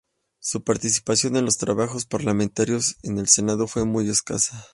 Su participación en los trabajos parlamentarios en el Senado fue muy escasa.